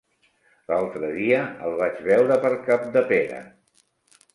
L'altre dia el vaig veure per Capdepera.